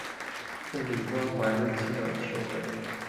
建立关怀温馨的社会